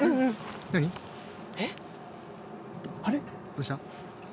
どうした！？